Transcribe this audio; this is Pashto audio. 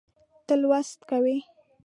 ته لوست کوې